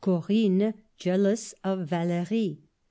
Corinne jealous of Valerie